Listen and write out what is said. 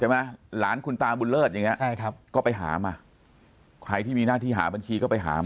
ใช่ไหมหลานคุณตาบุญเลิศอย่างนี้ก็ไปหามาใครที่มีหน้าที่หาบัญชีก็ไปหามา